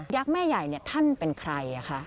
ยักษ์แม่ใหญ่นี่ท่านเป็นใคร่คะ